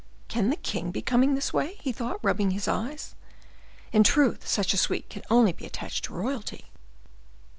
"Can the king be coming this way?" he thought, rubbing his eyes; "in truth, such a suite can only be attached to royalty."